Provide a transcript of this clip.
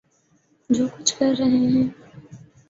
جو کچھ کر رہے ہیں۔